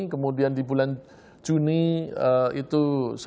kemudian di bulan juni itu sepuluh empat